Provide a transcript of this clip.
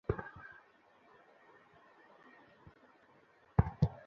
এরপর অনেক ধৈর্য ধরে, কষ্ট করে শেষ পর্যন্ত দৃশ্যটি শেষ করি।